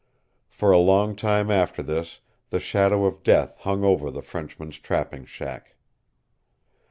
For a long time after this the shadow of death hung over the Frenchman's trapping shack.